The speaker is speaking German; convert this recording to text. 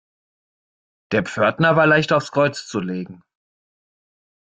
Der Pförtner war leicht aufs Kreuz zu legen.